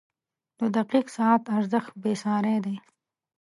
• د دقیق ساعت ارزښت بېساری دی.